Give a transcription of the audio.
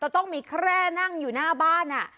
ต้องมีแคร่นั่งอยู่หน้าบ้าน